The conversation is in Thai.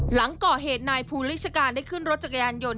หลังก่อเหตุนายภูริชการได้ขึ้นรถจักรยานยนต์